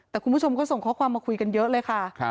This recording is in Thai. แต่คุณผู้ชมก็ส่งข้อความมาคุยกันเยอะเลยค่ะ